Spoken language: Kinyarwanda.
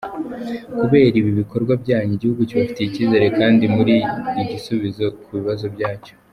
Kubera ibi bikorwa byanyu, igihugu kibafitiye icyizere kandi muri igisubizo ku bibazo byacyo.